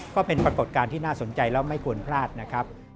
ปรากฏการณ์ที่น่าสนใจแล้วไม่ควรพลาดนะครับ